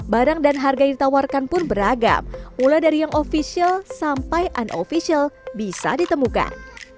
barang dan harga yang ditawarkan pun beragam mulai dari yang official sampai unoficial bisa ditemukan